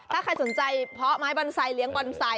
ถ้าใครสนใจเพาะไม้บอนไซคเลี้ยบอนไซค